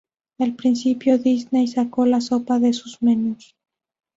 Al principio, Disney saco la sopa de sus menús.